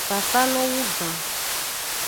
Fafalo wugan.